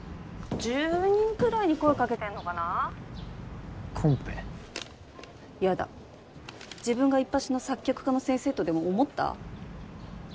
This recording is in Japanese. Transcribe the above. １０人くらいに声かけてんのかなコンペやだ自分がいっぱしの作曲家の先生とでも思った？